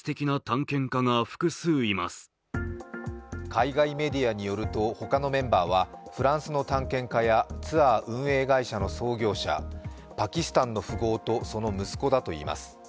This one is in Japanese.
海外メディアによると、ほかのメンバーは、フランスの探検家やツアー運営会社の創業者、パキスタンの富豪とその息子だといいます。